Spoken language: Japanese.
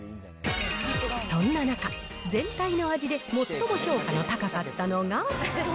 そんな中、全体の味で最も評価の高かったのが。